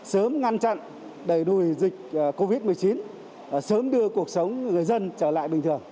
sớm ngăn chặn đẩy lùi dịch covid một mươi chín sớm đưa cuộc sống người dân trở lại bình thường